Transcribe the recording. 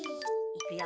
いくよ！